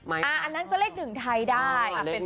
อันนั้นก็เลขหนึ่งไทยได้